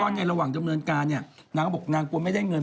แล้วก็ระหว่างทำเรียนการเนี่ย